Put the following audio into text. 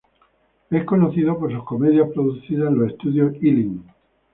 Es conocido por sus comedias producidas en los Estudios Ealing.